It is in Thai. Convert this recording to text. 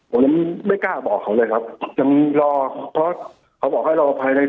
ผมยังไม่กล้าบอกเขาเลยครับยังมีรอเพราะเขาบอกให้รอภายใน